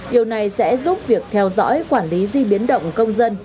điều này sẽ giúp việc theo dõi quản lý di biến động công dân